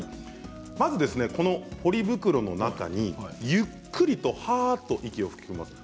まずポリ袋の中に、ゆっくりとはぁと息を吹き込みます。